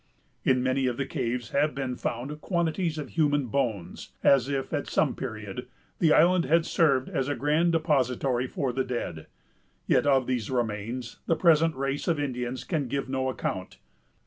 In many of the caves have been found quantities of human bones, as if, at some period, the island had served as a grand depository for the dead; yet of these remains the present race of Indians can give no account.